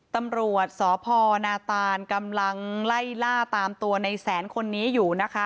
ตำรวจสพนาตานกำลังไล่ล่าตามตัวในแสนคนนี้อยู่นะคะ